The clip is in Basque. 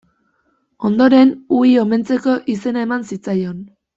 Ondoren Ul omentzeko izena eman zitzaion.